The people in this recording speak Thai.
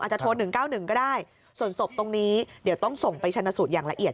จะโทร๑๙๑ก็ได้ส่วนศพตรงนี้เดี๋ยวต้องส่งไปชนะสูตรอย่างละเอียด